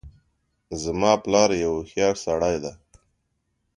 زما پلار یو هوښیارسړی ده